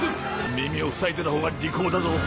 耳をふさいでたほうが利口だぞ。